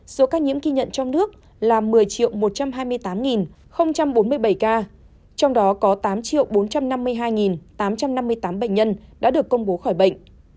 số ca nhiễm ghi nhận trong nước là một mươi một trăm hai mươi tám bốn mươi bảy ca trong đó có tám bốn trăm năm mươi hai tám trăm năm mươi tám bệnh nhân đã được công bố khỏi bệnh